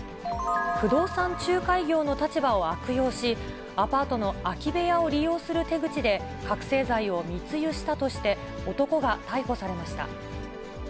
不動産仲介業の立場を悪用し、アパートの空き部屋を利用する手口で、覚醒剤を密輸したとして、男が逮捕されました。